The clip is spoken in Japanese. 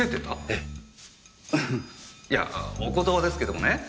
いやお言葉ですけどもね